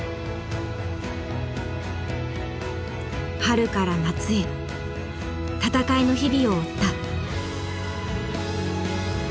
春から夏へ闘いの日々を追った。